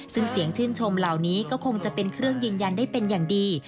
ซึ่งเสียงชื่นชมเหล่านี้ก็คงจะเป็นเครื่องยืนยันได้เป็นอย่างดี